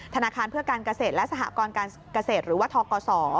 ธนาคารเพื่อการเกษตรและสหกรการเกษตรหรือว่าทกศ